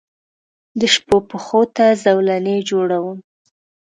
دشپووپښوته زولنې جوړوم